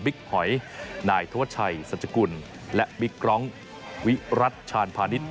หอยนายธวัชชัยสัจกุลและบิ๊กร้องวิรัติชาญพาณิชย